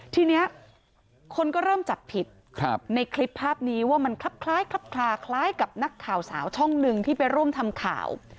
ทีนี้คนก็เริ่มจับผิดในคลิปภาพนี้ว่ามันคลับคล้ายคลับคลาคล้ายกับนักข่าวสาวช่องหนึ่งที่ไปร่วมทำข่าว